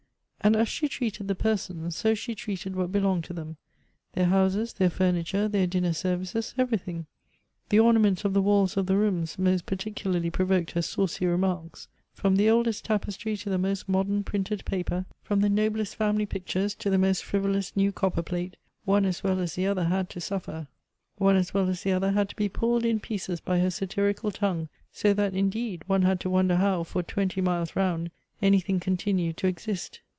And as she treated the persons, so she treated what belonged to them; their houses, their furniture, their dinner services — everything. The ornaments of the walls of the rooms most particularly provoked her saucy remarks. From the oldest tapestry to the most modern printed paper; from the noblest family pictures to the most frivolous new copperplate: one as well as the other had to suffer — one as well as the other had to be pulled in pieces by her satirical tongue, so that, indeed, one had to wonder how, for twenty miles round, anything continued to exist.